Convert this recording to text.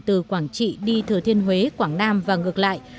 từ quảng trị đi thừa thiên huế quảng nam và ngược lại